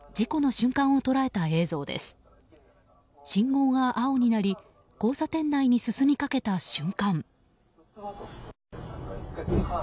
信号が青になり交差点内に進みかけた瞬間